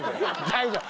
大丈夫。